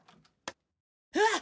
うわっ！